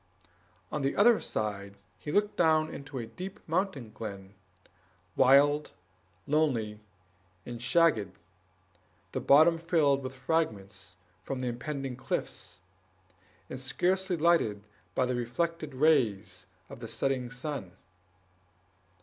On the other side he looked down into a deep mountain glen, wild, lonely, and shagged, the bottom filled with fragments from the impending cliffs, and scarcely lighted by the reflected rays of the setting sun.